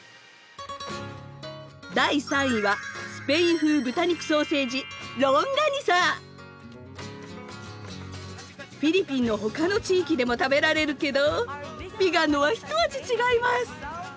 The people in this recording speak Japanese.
第３位はスペイン風豚肉ソーセージフィリピンの他の地域でも食べられるけどビガンのは一味違います！